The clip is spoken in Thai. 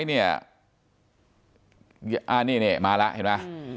อันนี้เนี่ยมาฮะ